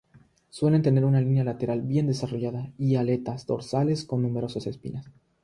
Suelen tener una línea lateral bien desarrollada y aletas dorsales con numerosas espinas.